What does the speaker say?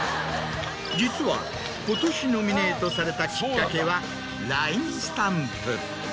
実は今年ノミネートされたきっかけはＬＩＮＥスタンプ。